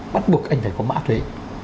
bắt buộc anh phải có mã thuê